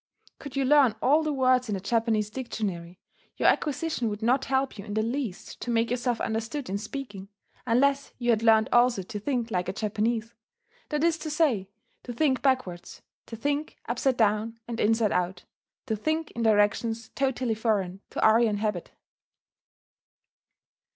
Could you learn all the words in a Japanese dictionary, your acquisition would not help you in the least to make yourself understood in speaking, unless you had learned also to think like a Japanese, that is to say, to think backwards, to think upside down and inside out, to think in directions totally foreign to Aryan habit.